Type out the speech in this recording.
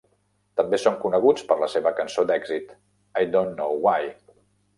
També són coneguts per la seva cançó d'èxit "I Don't Know Why".